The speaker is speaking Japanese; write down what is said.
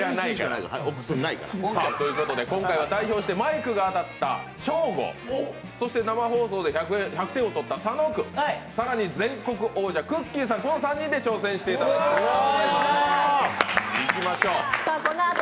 今回は代表してマイクが当たったショーゴ、そして生放送で１００点を取った佐野君、更に全国王者・くっきー！さんの３人で挑戦していただきます。